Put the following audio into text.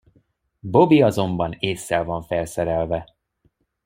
Bobby azonban ésszel van felszerelve.